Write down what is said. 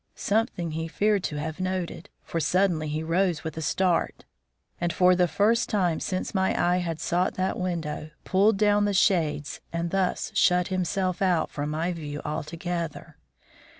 Something he feared to have noted, for suddenly he rose with a start, and, for the first time since my eyes had sought that window, pulled down the shades and thus shut himself out from my view altogether.